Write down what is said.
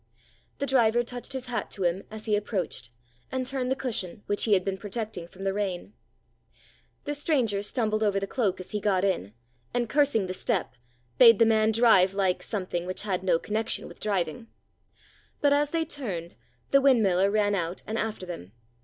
The driver touched his hat to him as he approached, and turned the cushion, which he had been protecting from the rain. The stranger stumbled over the cloak as he got in, and, cursing the step, bade the man drive like something which had no connection with driving. But, as they turned, the windmiller ran out and after them.